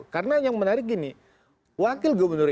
karena yang menarik gini wakil gubernur